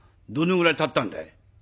どのぐらい断ったんだい？